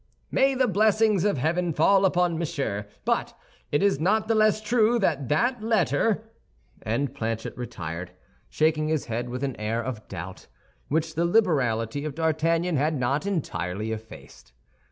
"May the blessings of heaven fall upon Monsieur! But it is not the less true that that letter—" And Planchet retired, shaking his head with an air of doubt, which the liberality of D'Artagnan had not entirely effaced.